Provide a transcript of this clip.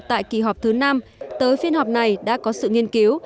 tại kỳ họp thứ năm tới phiên họp này đã có sự nghiên cứu